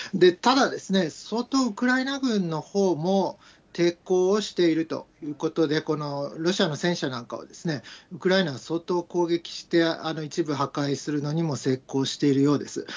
ただ、相当、ウクライナ軍のほうも抵抗をしているということで、このロシアの戦車なんかをウクライナが相当攻撃して、一部、破壊するのにも成功しているようです。